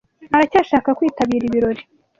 Aracyashaka kwitabira ibirori?